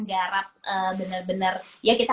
garap bener bener ya kita